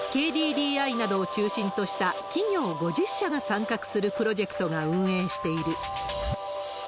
ＫＤＤＩなどを中心とした企業５０社が参画するプロジェクトが運営している。